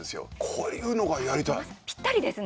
こういうのがやりたい。